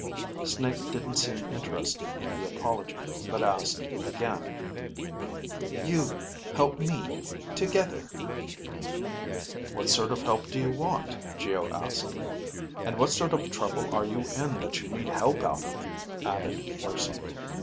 Snake didn't seem interested in the apology, but asked again, You ... help ... me ... together. "What sort of help do you want?" Geo asked. "And what sort of trouble are you in that you need help out of it?" added Urson.